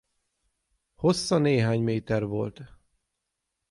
Hossza néhány m volt.